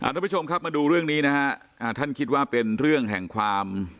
ทุกผู้ชมครับมาดูเรื่องนี้นะฮะท่านคิดว่าเป็นเรื่องแห่งความ